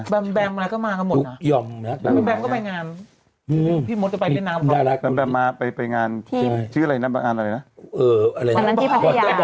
พอแบ๋งมาก็มาก็หมดนะแบ๋งก็ไปงานพี่มดจะไปเล่นเรื่องนี้พอ